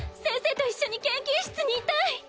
先生と一緒に研究室にいたい！